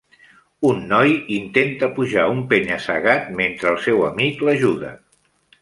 Un noi intenta pujar un penya-segat mentre el seu amic l'ajuda.